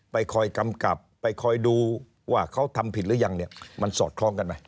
ไปคอยกำกับไปคอยดูว่าเขาทำผิดหรือยังเนี่ยมันสอดคล้องกันไหม